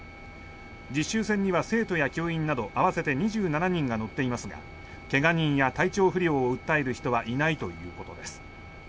実習船には生徒や教員など合わせて２７人が乗っていますが怪我人や体調不良を訴える人はいないということです。